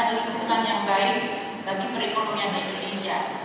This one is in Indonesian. lingkungan yang baik bagi perekonomian di indonesia